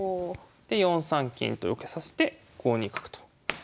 で４三金と受けさせて５二角と。